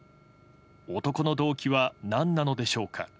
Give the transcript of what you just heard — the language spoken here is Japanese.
男の動機は何なのでしょうか。